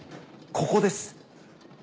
ここです。